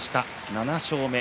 ７勝目。